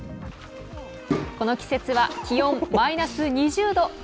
この季節は気温マイナス２０度。